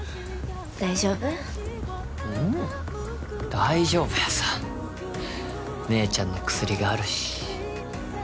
大丈夫やさ姉ちゃんの薬があるし